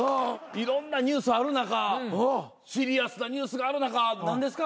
いろんなニュースある中シリアスなニュースがある中何ですか？